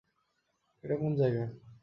এটা কোন জায়গা?